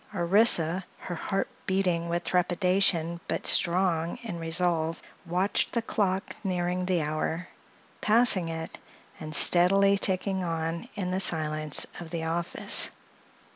Orissa, her heart beating with trepidation but strong in resolve, watched the clock nearing the hour, passing it, and steadily ticking on in the silence of the office.